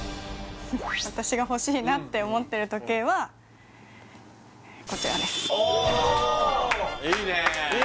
私が欲しいなって思ってる時計はこちらですおおいいねえ